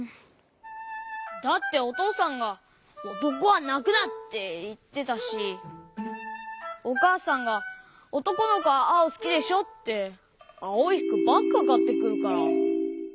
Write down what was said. だっておとうさんが「おとこはなくな！」っていってたしおかあさんが「おとこのこはあおすきでしょ」ってあおいふくばっかかってくるから。